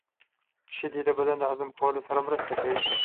• شیدې د بدن د هضم کولو سره مرسته کوي.